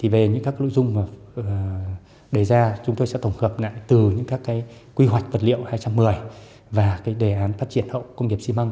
về những các nội dung đề ra chúng tôi sẽ tổng hợp lại từ những các quy hoạch vật liệu hai trăm một mươi và đề án phát triển hậu công nghiệp xi măng